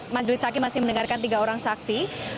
mas delisaki masih mendengarkan tiga orang saksi